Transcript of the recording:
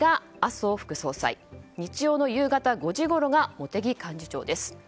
日曜の夕方５時ごろが茂木幹事長です。